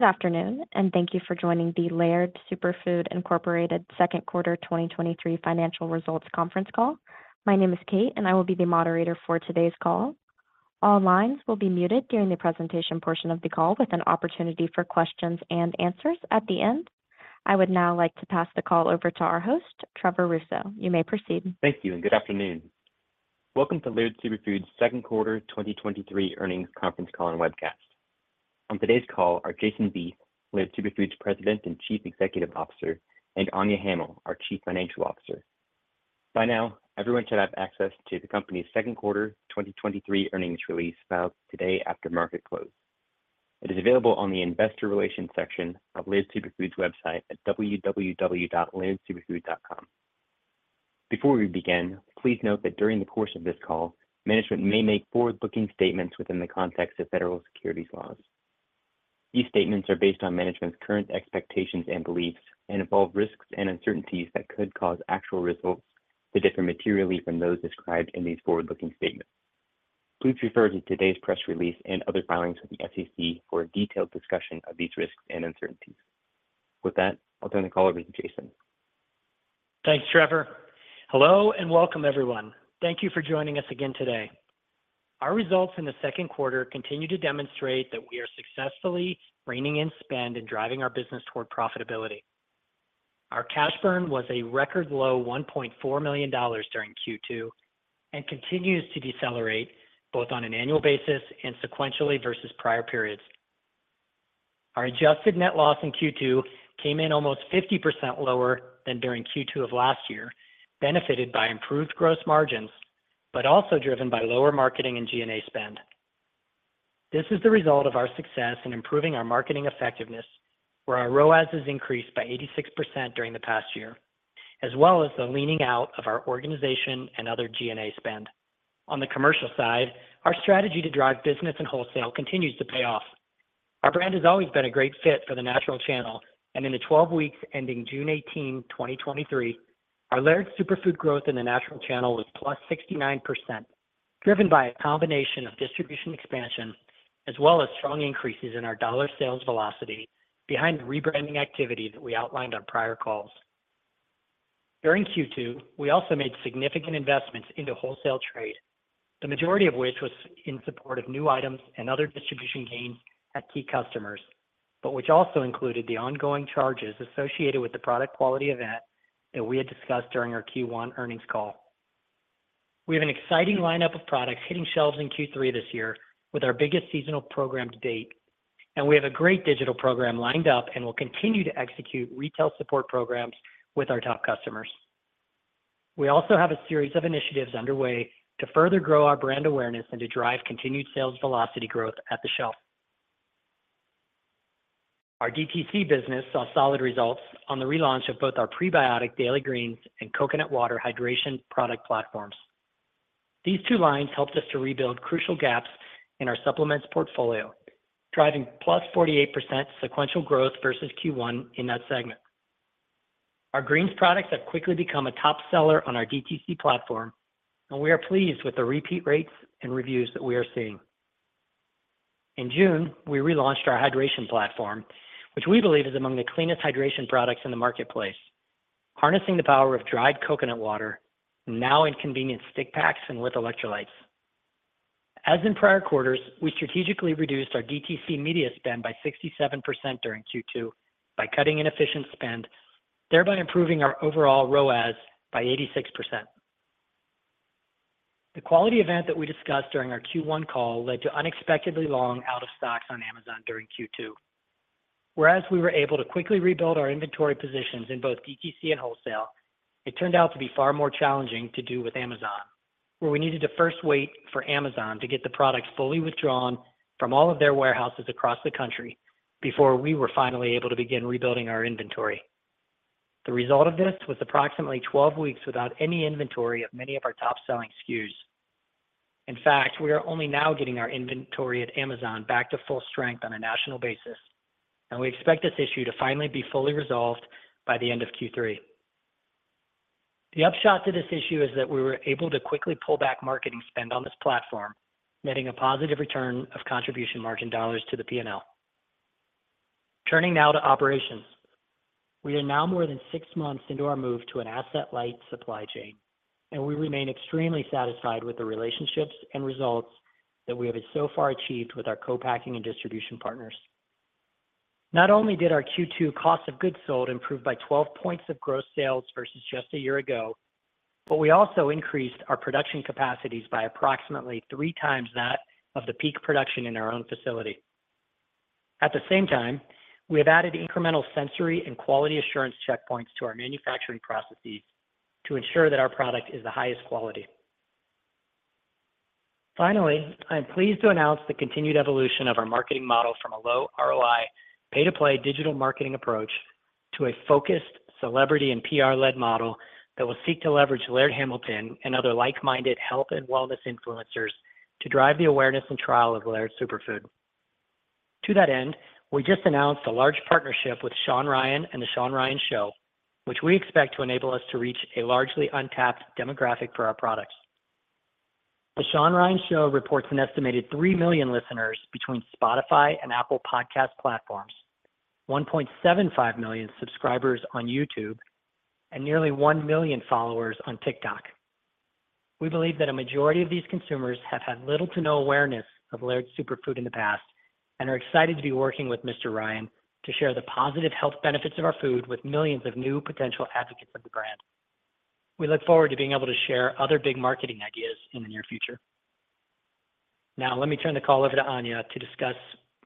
Good afternoon, and thank you for joining the Laird Superfood, Inc. Second Quarter 2023 Financial Results Conference Call. My name is Kate, and I will be the moderator for today's call. All lines will be muted during the presentation portion of the call, with an opportunity for questions and answers at the end. I would now like to pass the call over to our host, Trevor Rousseau. You may proceed. Thank you. Good afternoon. Welcome to Laird Superfood's Second Quarter 2023 Earnings Conference Call and Webcast. On today's call are Jason Vieth, Laird Superfood's President and Chief Executive Officer, and Anya Hamill, our Chief Financial Officer. By now, everyone should have access to the company's second quarter 2023 earnings release, filed today after market close. It is available on the investor relations section of Laird Superfood's website at www.lairdsuperfood.com. Before we begin, please note that during the course of this call, management may make forward-looking statements within the context of federal securities laws. These statements are based on management's current expectations and beliefs and involve risks and uncertainties that could cause actual results to differ materially from those described in these forward-looking statements. Please refer to today's press release and other filings with the SEC for a detailed discussion of these risks and uncertainties. With that, I'll turn the call over to Jason. Thanks, Trevor. Hello, and welcome, everyone. Thank you for joining us again today. Our results in the second quarter continue to demonstrate that we are successfully reining in spend and driving our business toward profitability. Our cash burn was a record low $1.4 million during Q2, and continues to decelerate both on an annual basis and sequentially versus prior periods. Our adjusted net loss in Q2 came in almost 50% lower than during Q2 of last year, benefited by improved gross margins, but also driven by lower marketing and G&A spend. This is the result of our success in improving our marketing effectiveness, where our ROAS has increased by 86% during the past year, as well as the leaning out of our organization and other G&A spend. On the commercial side, our strategy to drive business and wholesale continues to pay off. Our brand has always been a great fit for the natural channel. In the 12 weeks ending June 18, 2023, our Laird Superfood growth in the natural channel was +69% driven by a combination of distribution expansion as well as strong increases in our dollar sales velocity behind the rebranding activity that we outlined on prior calls. During Q2, we also made significant investments into wholesale trade, the majority of which was in support of new items and other distribution gains at key customers, but which also included the ongoing charges associated with the product quality event that we had discussed during our Q1 earnings call. We have an exciting lineup of products hitting shelves in Q3 this year with our biggest seasonal program to date, and we have a great digital program lined up and will continue to execute retail support programs with our top customers. We also have a series of initiatives underway to further grow our brand awareness and to drive continued sales velocity growth at the shelf. Our DTC business saw solid results on the relaunch of both our Prebiotic Daily Greens and Hydrate Coconut Water product platforms. These two lines helped us to rebuild crucial gaps in our supplements portfolio, driving +48% sequential growth versus Q1 in that segment. Our greens products have quickly become a top seller on our DTC platform, and we are pleased with the repeat rates and reviews that we are seeing. In June, we relaunched our hydration platform, which we believe is among the cleanest hydration products in the marketplace, harnessing the power of dried coconut water, now in convenient stick packs and with electrolytes. As in prior quarters, we strategically reduced our DTC media spend by 67% during Q2 by cutting inefficient spend, thereby improving our overall ROAS by 86%. The quality event that we discussed during our Q1 call led to unexpectedly long out of stocks on Amazon during Q2. Whereas we were able to quickly rebuild our inventory positions in both DTC and wholesale, it turned out to be far more challenging to do with Amazon, where we needed to first wait for Amazon to get the products fully withdrawn from all of their warehouses across the country before we were finally able to begin rebuilding our inventory. The result of this was approximately 12 weeks without any inventory of many of our top-selling SKUs. In fact, we are only now getting our inventory at Amazon back to full strength on a national basis, and we expect this issue to finally be fully resolved by the end of Q3. The upshot to this issue is that we were able to quickly pull back marketing spend on this platform, netting a positive return of contribution margin dollars to the PNL. Turning now to operations. We are now more than six months into our move to an asset light supply chain, and we remain extremely satisfied with the relationships and results that we have so far achieved with our co-packing and distribution partners. Not only did our Q2 cost of goods sold improve by 12 points of gross sales versus just a year ago. We also increased our production capacities by approximately 3 times that of the peak production in our own facility. At the same time, we have added incremental sensory and quality assurance checkpoints to our manufacturing processes to ensure that our product is the highest quality. Finally, I am pleased to announce the continued evolution of our marketing model from a low ROI, pay-to-play digital marketing approach to a focused celebrity and PR-led model that will seek to leverage Laird Hamilton and other like-minded health and wellness influencers to drive the awareness and trial of Laird Superfood. To that end, we just announced a large partnership with Shaun Ryan and the Shaun Ryan Show, which we expect to enable us to reach a largely untapped demographic for our products. The Shaun Ryan Show reports an estimated 3 million listeners between Spotify and Apple Podcasts platforms, 1.75 million subscribers on YouTube, and nearly 1 million followers on TikTok. We believe that a majority of these consumers have had little to no awareness of Laird Superfood in the past, and are excited to be working with Mr. Ryan to share the positive health benefits of our food with millions of new potential advocates of the brand. We look forward to being able to share other big marketing ideas in the near future. Now, let me turn the call over to Anya to discuss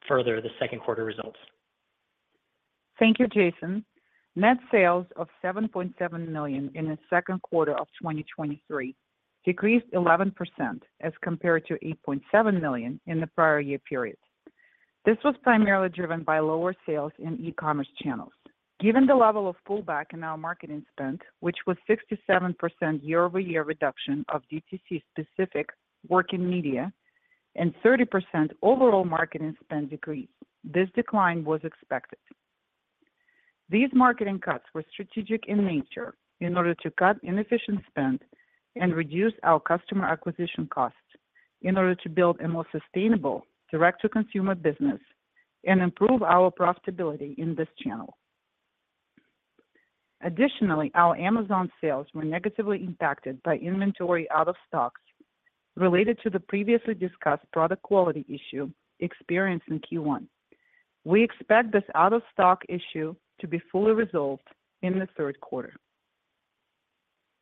further the second quarter results. Thank you, Jason. Net sales of $7.7 million in the second quarter of 2023 decreased 11% as compared to $8.7 million in the prior year period. This was primarily driven by lower sales in e-commerce channels. Given the level of pullback in our marketing spend, which was 67% year-over-year reduction of DTC specific working media and 30% overall marketing spend decrease, this decline was expected. These marketing cuts were strategic in nature in order to cut inefficient spend and reduce our customer acquisition costs in order to build a more sustainable direct-to-consumer business and improve our profitability in this channel. Additionally, our Amazon sales were negatively impacted by inventory out of stocks related to the previously discussed product quality issue experienced in Q1. We expect this out-of-stock issue to be fully resolved in the third quarter.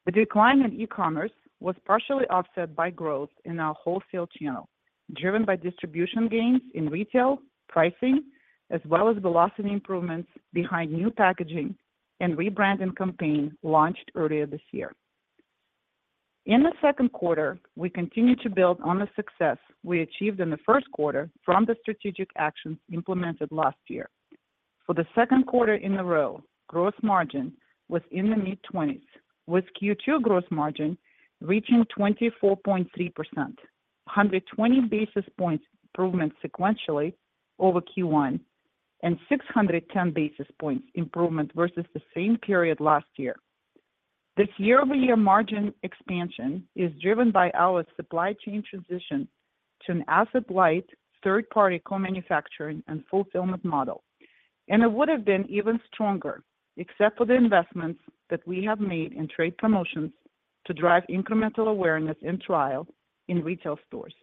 The decline in e-commerce was partially offset by growth in our wholesale channel, driven by distribution gains in retail pricing, as well as velocity improvements behind new packaging and rebranding campaign launched earlier this year. In the second quarter, we continued to build on the success we achieved in the first quarter from the strategic actions implemented last year. For the second quarter in a row, gross margin was in the mid-twenties, with Q2 gross margin reaching 24.3%, 120 basis points improvement sequentially over Q1 and 610 basis points improvement versus the same period last year. This year-over-year margin expansion is driven by our supply chain transition to an asset-light, third-party co-manufacturing and fulfillment model, it would have been even stronger except for the investments that we have made in trade promotions to drive incremental awareness and trial in retail stores.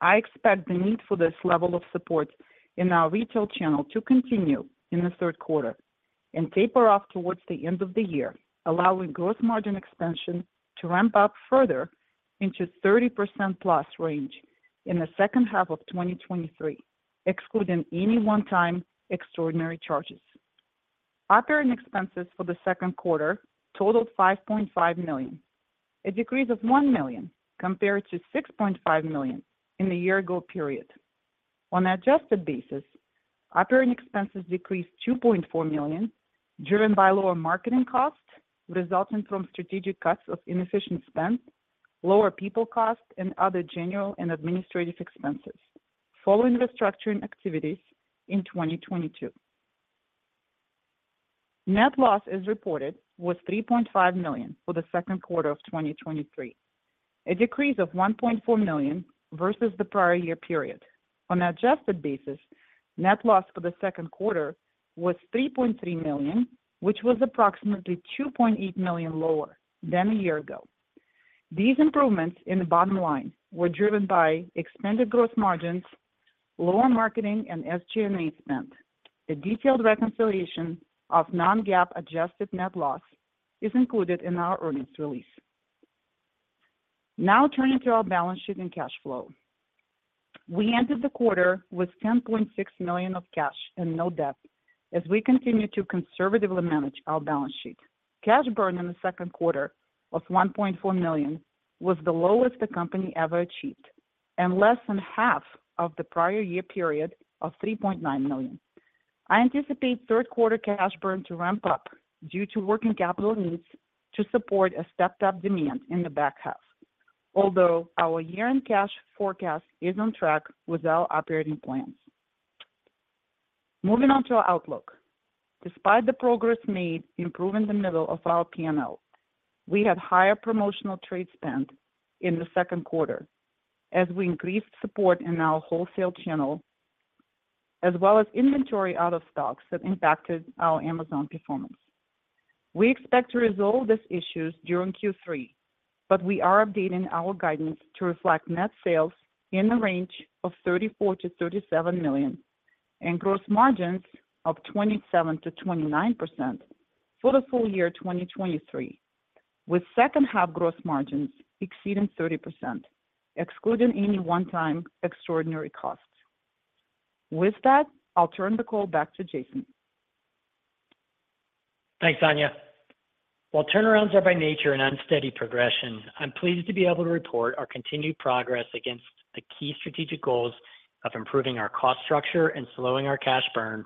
I expect the need for this level of support in our retail channel to continue in the third quarter and taper off towards the end of the year, allowing gross margin expansion to ramp up further into 30%+ range in the second half of 2023, excluding any one-time extraordinary charges. Operating expenses for the second quarter totaled $5.5 million, a decrease of $1 million compared to $6.5 million in the year ago period. On an adjusted basis, operating expenses decreased $2.4 million, driven by lower marketing costs resulting from strategic cuts of inefficient spend, lower people costs, and other general and administrative expenses following restructuring activities in 2022. Net loss as reported was $3.5 million for the second quarter of 2023, a decrease of $1.4 million versus the prior year period. On an adjusted basis, net loss for the second quarter was $3.3 million, which was approximately $2.8 million lower than a year ago. These improvements in the bottom line were driven by expanded gross margins, lower marketing, and SG&A spend. A detailed reconciliation of non-GAAP adjusted net loss is included in our earnings release. Now, turning to our balance sheet and cash flow. We ended the quarter with $10.6 million of cash and no debt as we continue to conservatively manage our balance sheet. Cash burn in the second quarter of $1.4 million was the lowest the company ever achieved and less than half of the prior year period of $3.9 million. I anticipate third quarter cash burn to ramp up due to working capital needs to support a stepped-up demand in the back half. Our year-end cash forecast is on track with our operating plans. Moving on to our outlook. Despite the progress made improving the middle of our P&L, we had higher promotional trade spend in the second quarter as we increased support in our wholesale channel, as well as inventory out of stocks that impacted our Amazon performance. We expect to resolve these issues during Q3. We are updating our guidance to reflect net sales in the range of $34 million-$37 million and gross margins of 27%-29% for the full year 2023, with second-half gross margins exceeding 30%, excluding any one-time extraordinary costs. With that, I'll turn the call back to Jason. Thanks, Anya. While turnarounds are by nature an unsteady progression, I'm pleased to be able to report our continued progress against the key strategic goals of improving our cost structure and slowing our cash burn,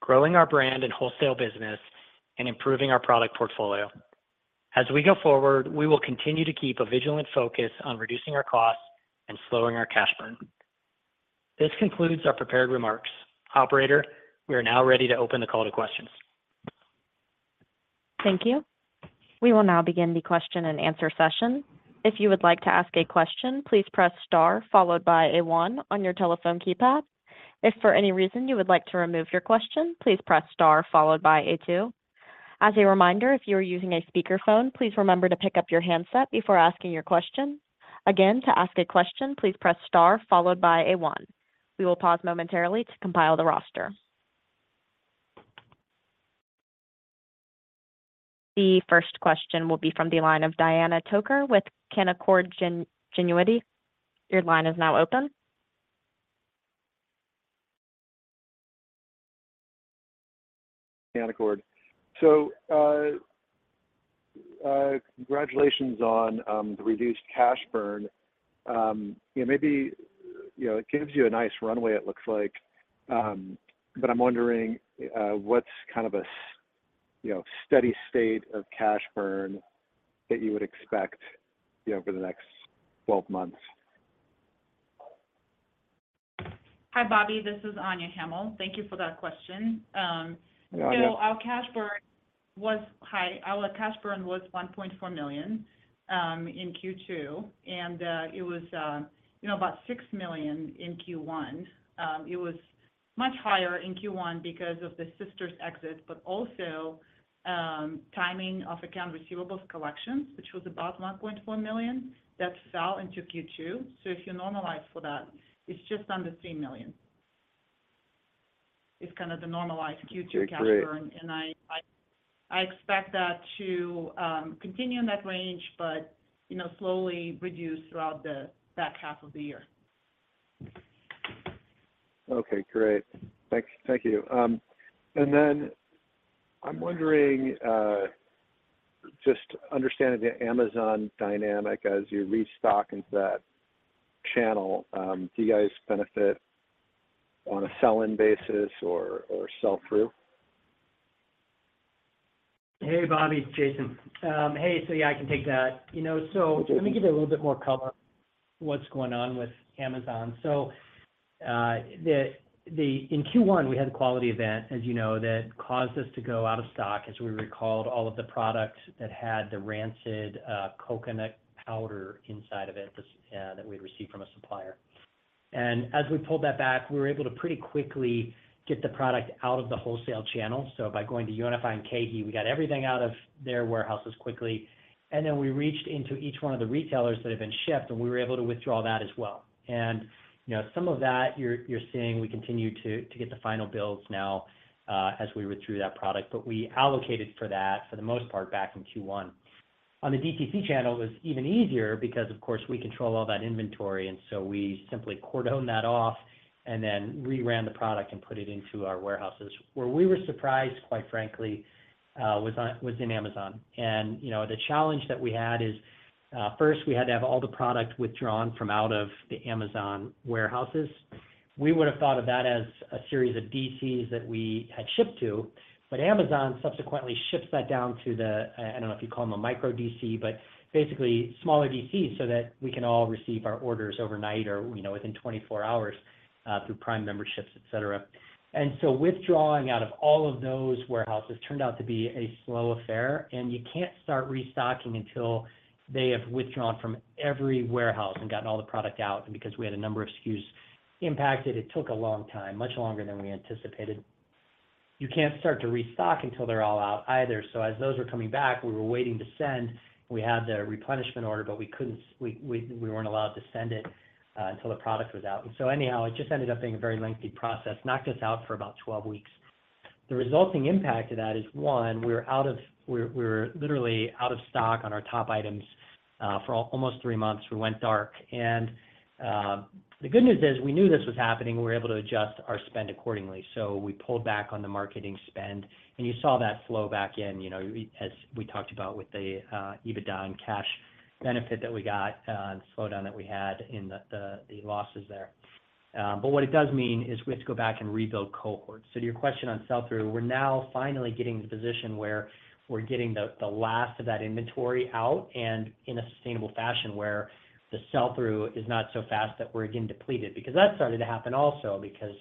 growing our brand and wholesale business, and improving our product portfolio. As we go forward, we will continue to keep a vigilant focus on reducing our costs and slowing our cash burn. This concludes our prepared remarks. Operator, we are now ready to open the call to questions.... Thank you. We will now begin the question and answer session. If you would like to ask a question, please press star followed by a 1 on your telephone keypad. If for any reason you would like to remove your question, please press star followed by a 2. As a reminder, if you are using a speakerphone, please remember to pick up your handset before asking your question. Again, to ask a question, please press star followed by a 1. We will pause momentarily to compile the roster. The first question will be from the line of Bobby Burleson with Canaccord Genuity. Your line is now open. Canaccord. Congratulations on the reduced cash burn. Yeah, maybe, you know, it gives you a nice runway, it looks like. I'm wondering what's kind of a, you know, steady state of cash burn that you would expect, you know, for the next 12 months? Hi, Bobby, this is Anya Hamill. Thank you for that question. Anya. Our cash burn was high. Our cash burn was $1.4 million in Q2, and it was, you know, about $6 million in Q1. It was much higher in Q1 because of the Sisters exit, but also, timing of account receivables collections, which was about $1.4 million. That fell into Q2. If you normalize for that, it's just under $3 million. It's kind of the normalized Q2 cash burn. Okay, great. I, I, I expect that to continue in that range, but, you know, slowly reduce throughout the back half of the year. Okay, great. Thank, thank you. I'm wondering, just understanding the Amazon dynamic as you restock into that channel, do you guys benefit on a sell-in basis or, or sell-through? Hey, Bobby, it's Jason. Hey, yeah, I can take that. You know. Okay. Let me give you a little bit more color what's going on with Amazon. In Q1, we had a quality event, as you know, that caused us to go out of stock as we recalled all of the products that had the rancid coconut powder inside of it that we'd received from a supplier. As we pulled that back, we were able to pretty quickly get the product out of the wholesale channel. By going to UNFI and KeHE, we got everything out of their warehouses quickly, and then we reached into each one of the retailers that had been shipped, and we were able to withdraw that as well. You know, some of that, you're, you're seeing, we continue to, to get the final bills now as we withdrew that product. We allocated for that for the most part back in Q1. On the DTC channel, it was even easier because, of course, we control all that inventory, and so we simply cordoned that off and then reran the product and put it into our warehouses. Where we were surprised, quite frankly, was on, was in Amazon. You know, the challenge that we had is, first, we had to have all the product withdrawn from out of the Amazon warehouses. We would have thought of that as a series of DCs that we had shipped to, but Amazon subsequently ships that down to the, I don't know if you call them a micro DC, but basically smaller DCs so that we can all receive our orders overnight or, you know, within 24 hours, through Prime memberships, et cetera. So withdrawing out of all of those warehouses turned out to be a slow affair, and you can't start restocking until they have withdrawn from every warehouse and gotten all the product out. Because we had a number of SKUs impacted, it took a long time, much longer than we anticipated. You can't start to restock until they're all out either. So as those were coming back, we were waiting to send, we had the replenishment order, but we couldn't. We weren't allowed to send it until the product was out. So anyhow, it just ended up being a very lengthy process, knocked us out for about 12 weeks. The resulting impact of that is, one, we were out of. We're literally out of stock on our top items for almost 3 months, we went dark. The good news is, we knew this was happening, and we were able to adjust our spend accordingly. We pulled back on the marketing spend, and you saw that flow back in, you know, as we talked about with the EBITDA and cash benefit that we got, and the slowdown that we had in the losses there. What it does mean is we have to go back and rebuild cohorts. To your question on sell-through, we're now finally getting to the position where we're getting the last of that inventory out and in a sustainable fashion where the sell-through is not so fast that we're again depleted. That started to happen also because,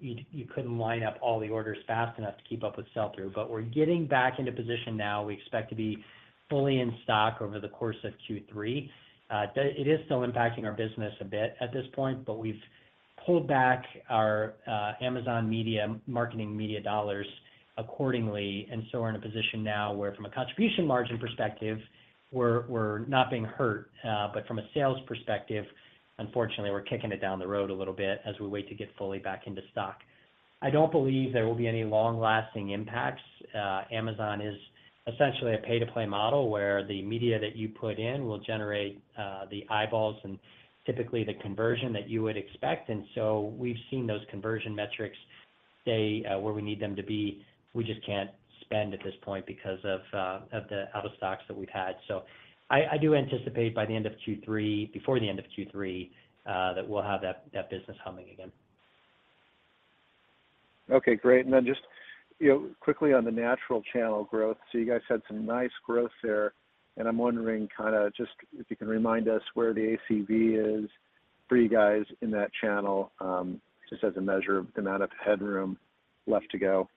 you couldn't line up all the orders fast enough to keep up with sell-through. We're getting back into position now. We expect to be fully in stock over the course of Q3. It is still impacting our business a bit at this point, we've pulled back our Amazon media, marketing media dollars accordingly, we're in a position now where from a contribution margin perspective, we're, we're not being hurt. From a sales perspective, unfortunately, we're kicking it down the road a little bit as we wait to get fully back into stock. I don't believe there will be any long-lasting impacts. Amazon is essentially a pay-to-play model, where the media that you put in will generate the eyeballs and typically the conversion that you would expect. We've seen those conversion metrics stay where we need them to be. We just can't spend at this point because of the out-of-stocks that we've had. I, I do anticipate by the end of Q3, before the end of Q3, that we'll have that, that business humming again. Okay, great. Just, you know, quickly on the natural channel growth. You guys had some nice growth there, and I'm wondering kinda just if you can remind us where the ACV is for you guys in that channel, just as a measure of the amount of headroom left to go?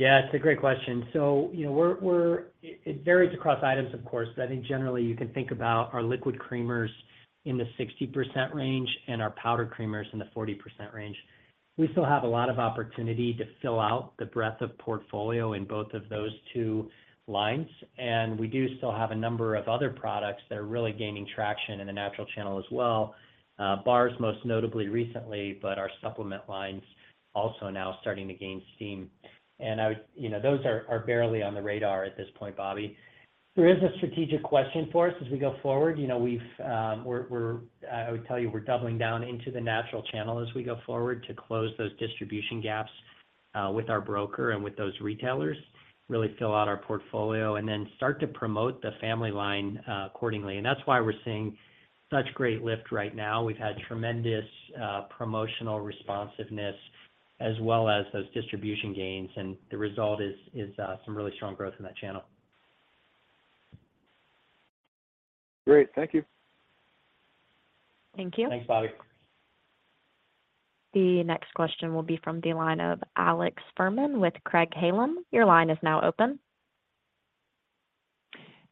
Yeah, it's a great question. You know, it varies across items, of course, but I think generally you can think about our liquid creamers in the 60% range and our powder creamers in the 40% range. We still have a lot of opportunity to fill out the breadth of portfolio in both of those two lines, and we do still have a number of other products that are really gaining traction in the natural channel as well. Bars, most notably recently, but our supplement lines also now starting to gain steam. You know, those are, are barely on the radar at this point, Bobby. There is a strategic question for us as we go forward. You know, we've, we're, we're, I would tell you, we're doubling down into the natural channel as we go forward to close those distribution gaps, with our broker and with those retailers, really fill out our portfolio, and then start to promote the family line, accordingly. That's why we're seeing such great lift right now. We've had tremendous promotional responsiveness as well as those distribution gains. The result is some really strong growth in that channel. Great. Thank you. Thank you. Thanks, Bobby. The next question will be from the line of Alex Fuhrman with Craig-Hallum. Your line is now open.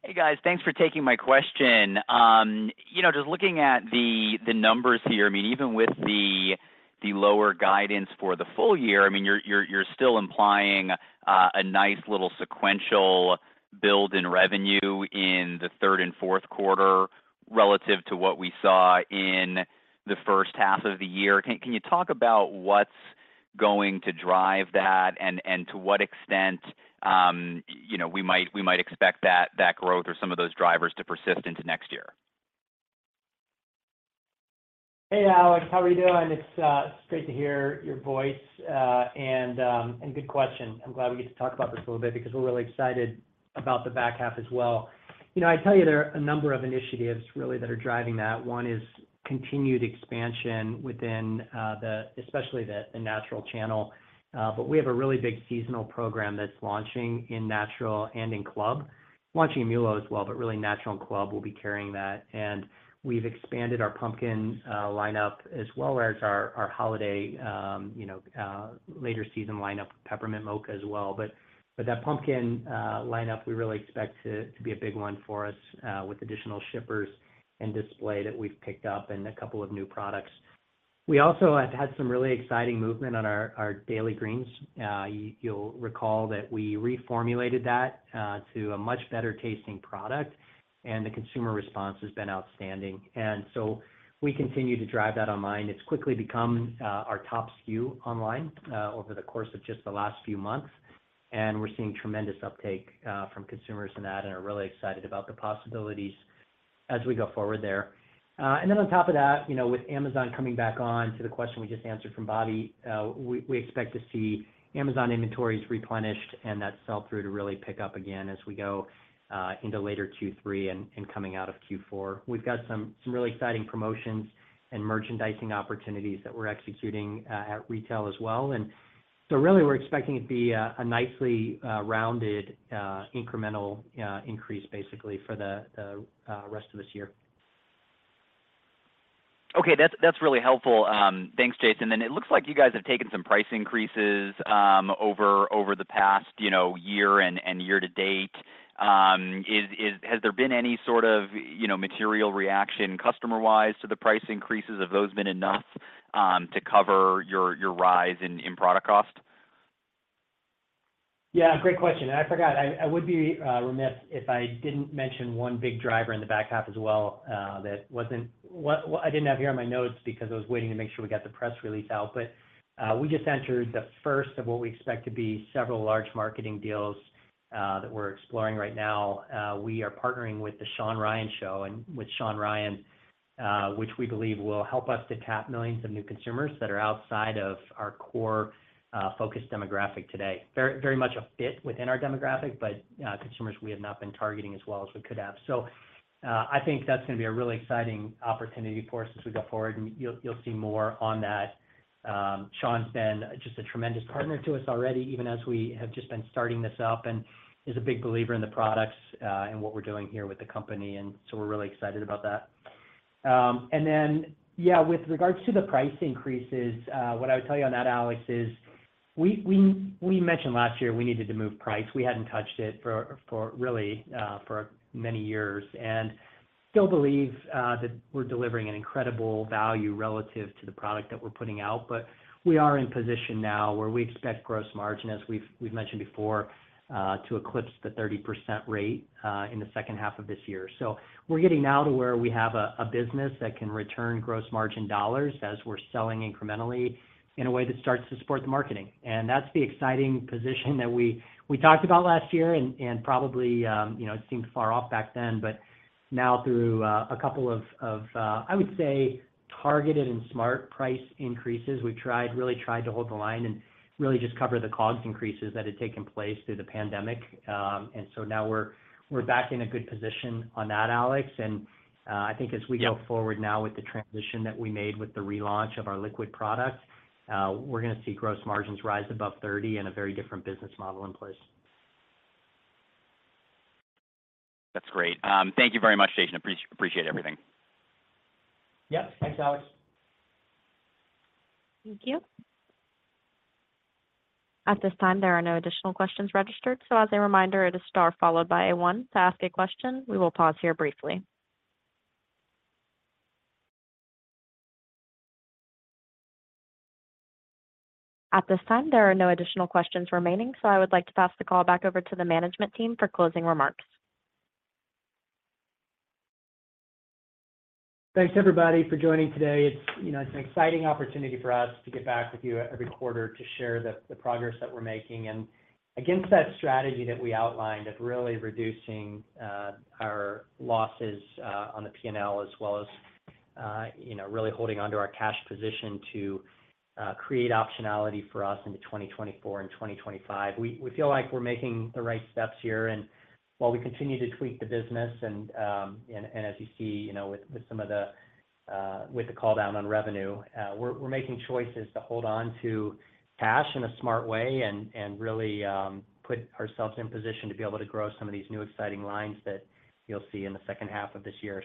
Hey, guys. Thanks for taking my question. You know, just looking at the, the numbers here, I mean, even with the, the lower guidance for the full year, I mean, you're, you're, you're still implying a nice little sequential build in revenue in the third and fourth quarter relative to what we saw in the first half of the year. Can, can you talk about what's going to drive that? To what extent, you know, we might, we might expect that, that growth or some of those drivers to persist into next year? Hey, Alex. How are you doing? It's great to hear your voice, and good question. I'm glad we get to talk about this a little bit because we're really excited about the back half as well. You know, I'd tell you there are a number of initiatives really that are driving that. One is continued expansion within, especially the natural channel. We have a really big seasonal program that's launching in natural and in club. Launching in MULO as well, but really natural and club will be carrying that. We've expanded our Pumpkin lineup as well as our holiday, you know, later season lineup, Peppermint Mocha as well. That Pumpkin lineup, we really expect to, to be a big one for us, with additional shippers and display that we've picked up and a couple of new products. We also have had some really exciting movement on our Daily Greens. You'll recall that we reformulated that to a much better-tasting product, and the consumer response has been outstanding. We continue to drive that online. It's quickly become our top SKU online over the course of just the last few months, and we're seeing tremendous uptake from consumers in that and are really excited about the possibilities as we go forward there. And then on top of that, you know, with Amazon coming back on to the question we just answered from Bobby, we, we expect to see Amazon inventories replenished and that sell-through to really pick up again as we go into later Q3 and, and coming out of Q4. We've got some, some really exciting promotions and merchandising opportunities that we're executing at retail as well. So really, we're expecting it to be a, a nicely, rounded, incremental, increase, basically, for the rest of this year. Okay. That's, that's really helpful. Thanks, Jason. It looks like you guys have taken some price increases over, over the past, you know, year and, and year to date. Has there been any sort of, you know, material reaction customer-wise to the price increases? Have those been enough to cover your, your rise in, in product cost? Yeah, great question. I forgot... I, I would be remiss if I didn't mention one big driver in the back half as well, that wasn't- what, well, I didn't have here on my notes because I was waiting to make sure we got the press release out. We just entered the first of what we expect to be several large marketing deals, that we're exploring right now. We are partnering with The Shaun Ryan Show and with Shaun Ryan, which we believe will help us to tap millions of new consumers that are outside of our core, focus demographic today. Very, very much a fit within our demographic, but, consumers we have not been targeting as well as we could have. I think that's gonna be a really exciting opportunity for us as we go forward, and you'll, you'll see more on that. Shawn's been just a tremendous partner to us already, even as we have just been starting this up, and is a big believer in the products, and what we're doing here with the company, and so we're really excited about that. Then, yeah, with regards to the price increases, what I would tell you on that, Alex, is we, we, we mentioned last year we needed to move price. We hadn't touched it for, for really, for many years, and still believe that we're delivering an incredible value relative to the product that we're putting out. We are in position now where we expect gross margin, as we've, we've mentioned before, to eclipse the 30% rate in the second half of this year. We're getting now to where we have a, a business that can return gross margin dollars as we're selling incrementally in a way that starts to support the marketing. That's the exciting position that we, we talked about last year, and, and probably, you know, it seemed far off back then, but now through a couple of, of, I would say, targeted and smart price increases, we've tried, really tried to hold the line and really just cover the cost increases that had taken place through the pandemic. Now we're, we're back in a good position on that, Alex. I think as we go forward now with the transition that we made with the relaunch of our liquid product, we're gonna see gross margins rise above 30 and a very different business model in place. That's great. Thank you very much, Jason. Appreciate everything. Yep. Thanks, Alex. Thank you. At this time, there are no additional questions registered, so as a reminder, it is star followed by a one to ask a question. We will pause here briefly. At this time, there are no additional questions remaining, so I would like to pass the call back over to the management team for closing remarks. Thanks, everybody, for joining today. It's, you know, it's an exciting opportunity for us to get back with you every quarter to share the, the progress that we're making. Against that strategy that we outlined of really reducing our losses on the P&L, as well as, you know, really holding onto our cash position to create optionality for us into 2024 and 2025. We, we feel like we're making the right steps here, while we continue to tweak the business and as you see, you know, with, with some of the, with the call down on revenue, we're, we're making choices to hold on to cash in a smart way and really, put ourselves in position to be able to grow some of these new exciting lines that you'll see in the second half of this year.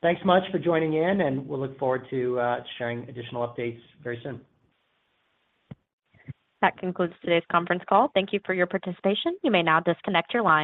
Thanks so much for joining in, and we'll look forward to sharing additional updates very soon. That concludes today's conference call. Thank you for your participation. You may now disconnect your line.